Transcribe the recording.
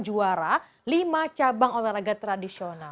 juara lima cabang olahraga tradisional